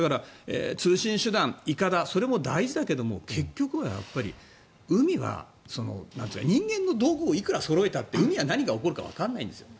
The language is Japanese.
通信手段、いかだそれも大事だけど結局は海は人間の道具をいくらそろえたって海は何が起こるかわからないんですよ。